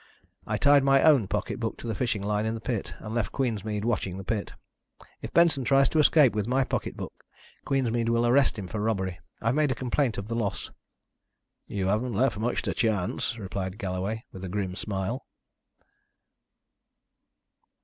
"I tied my own pocket book to the fishing line in the pit, and left Queensmead watching the pit. If Benson tries to escape with my pocket book Queensmead will arrest him for robbery. I've made a complaint of the loss." "You haven't left much to chance," replied Galloway, with a grim smile.